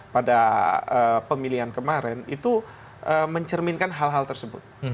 pada pemilihan kemarin itu mencerminkan hal hal tersebut